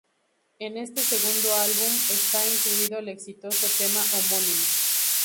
En este segundo álbum, está incluido el exitoso tema homónimo.